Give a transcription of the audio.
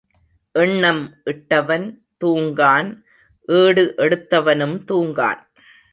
எண்ணம் இட்டவன் தூங்கான் ஏடு எடுத்தவனும் தூங்கான்.